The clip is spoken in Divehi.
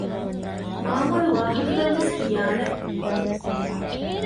މާމޮޅު ވާހަކަތައްވެސް ކިޔާނެ